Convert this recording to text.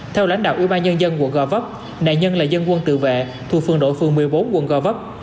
theo lãnh đạo ủy ban nhân dân quận gò vấp nạn nhân là dân quân tự vệ thuộc phường đội phường một mươi bốn quận gò vấp